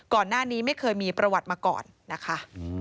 ก่อนหน้านี้ไม่เคยมีประวัติมาก่อนนะคะ